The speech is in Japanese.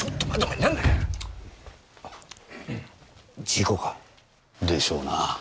事故か？でしょうな。